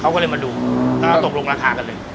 เขาก็เลยมาดูแล้วก็ตกลงราคากันเลย